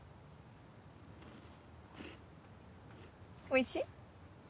おいしい？